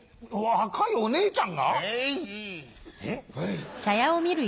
若いお姉ちゃん！